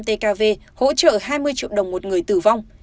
tkv hỗ trợ hai mươi triệu đồng một người tử vong